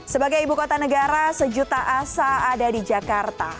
sebagai ibu kota negara sejuta asa ada di jakarta